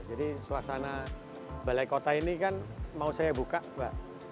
jadi suasana balai kota ini kan mau saya buka mbak